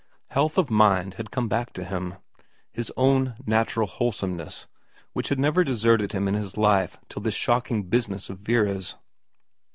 Health of mind had come back to him, his own natural wholesomeness, which had never deserted him in his life till this shocking business of Vera's.